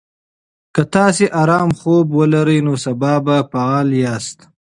که تاسي ارام خوب ولرئ، نو سبا به فعال یاست.